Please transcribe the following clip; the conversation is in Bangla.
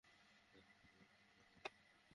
স্যার, আমি এটা হতে দিতে পারি না।